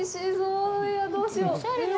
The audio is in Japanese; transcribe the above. いや、どうしよう。